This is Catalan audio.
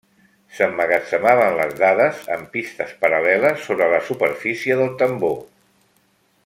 S'emmagatzemaven les dades en pistes paral·leles sobre la superfície del tambor.